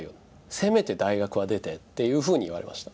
「せめて大学は出て」っていうふうに言われました。